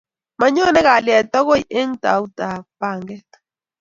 mayone kalyet agoi eng tautab panget